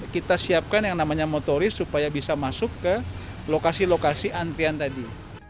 kita siapkan yang namanya motoris supaya bisa masuk ke lokasi lokasi antrian tadi